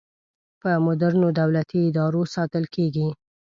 په مدرنو دولتي ادارو ساتل کیږي.